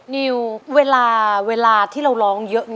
นิวเวลาที่เราร้องเยอะ